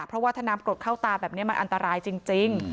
เพราะว่าถ้าน้ำกรดเข้าตาแบบนี้มันอันตรายจริง